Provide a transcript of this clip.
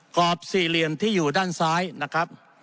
กรอบสี่เหลี่ยมที่อยู่ด้านซ้ายนะครับ